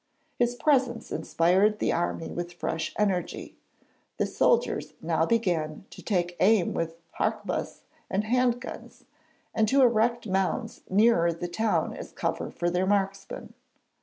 His presence inspired the army with fresh energy. The soldiers now began to take aim with harquebuses and 'hand guns', and to erect mounds nearer the town as cover for their marksmen.